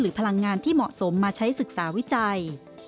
พลังงานที่เหมาะสมมาใช้ศึกษาวิจัย